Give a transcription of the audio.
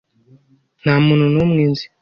Nta muntu n'umwe nzi.